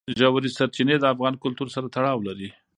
ژورې سرچینې د افغان کلتور سره تړاو لري.